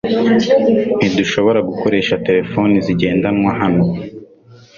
Ntidushobora gukoresha terefone zigendanwa hano .